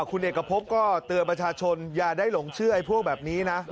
คุณเอกพบก็เตือนประชาชนอย่าได้หลงเชื่อไอ้พวกแบบนี้นะ